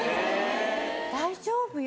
大丈夫よ。